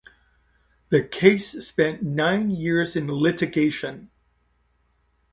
The case spent nine years in litigation.